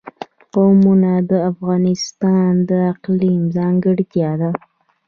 قومونه د افغانستان د اقلیم ځانګړتیا ده.